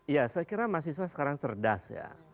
ya saya kira mahasiswa sekarang cerdas ya